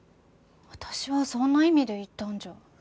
私はそんな意味で言ったんじゃ。